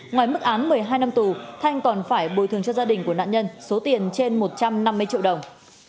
ngoài mức án một mươi hai năm tù thanh còn phải bồi thường cho gia đình của nạn nhân số tiền trên một trăm năm mươi triệu đồng